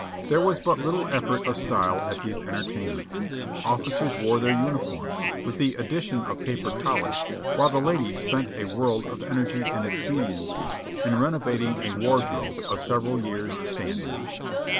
There was but little effort of "stvle" at these entertainments; officers wore their uniforms, with the addition of paper collars, while the ladies spent a world of energy and expediency in renovating a wardrobe of several years' standing.